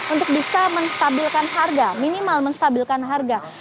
untuk bisa menstabilkan harga minimal menstabilkan harga